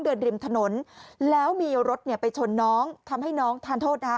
เดินริมถนนแล้วมีรถไปชนน้องทำให้น้องทานโทษนะฮะ